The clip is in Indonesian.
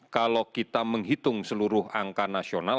kalau kita menghitung seluruh angka nasional